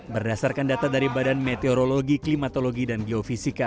berdasarkan data dari badan meteorologi klimatologi dan geofisika